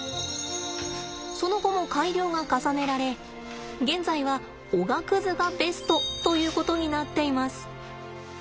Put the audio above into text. その後も改良が重ねられ現在はおがくずがベストということになっています。